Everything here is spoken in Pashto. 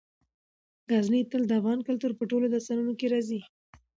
غزني تل د افغان کلتور په ټولو داستانونو کې راځي.